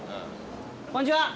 こんにちは。